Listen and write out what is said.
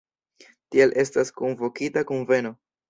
Tial estas kunvokita kunveno.